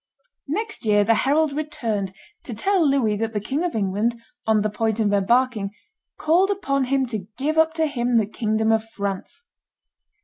Next year the herald returned to tell Louis that the King of England, on the point of embarking, called upon him to give up to him the kingdom of France.